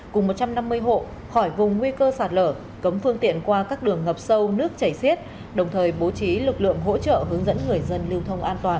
cùng một trăm năm mươi hộ khỏi vùng nguy cơ sạt lở cấm phương tiện qua các đường ngập sâu nước chảy xiết đồng thời bố trí lực lượng hỗ trợ hướng dẫn người dân lưu thông an toàn